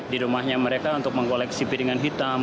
di rumahnya mereka untuk mengkoleksi piringan hitam